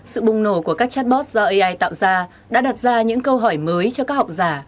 sự bùng nổ của các chatbot do ai tạo ra đã đặt ra những câu hỏi mới cho các học giả